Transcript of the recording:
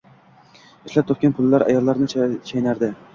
Ishlab, pul topadigan ayollarni chaynardi.